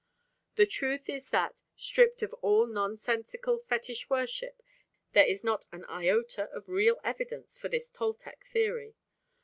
The truth is that, stripped of all nonsensical fetish worship, there is not an iota of real evidence for this Toltec theory.